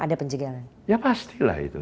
ada pulang belakang pada ekstremnya